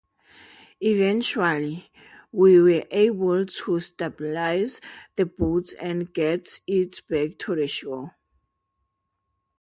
Eventually, we were able to stabilize the boat and get it back to shore.